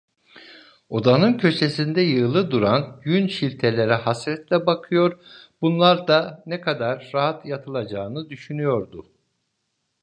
Odanın köşesinde yığılı duran yün şiltelere hasretle bakıyor, bunlarda ne kadar rahat yatılacağını düşünüyordu.